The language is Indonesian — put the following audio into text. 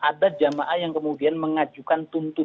ada jamaah yang kemudian mengajukan tuntutan